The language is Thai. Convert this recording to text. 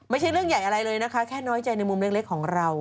ไม่ใช่เรื่องใหญ่อะไรเลยนะคะแค่น้อยใจในมุมเล็กของเรา